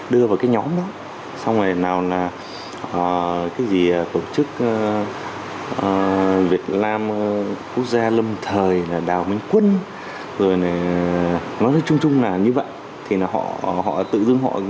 đó là những nội dung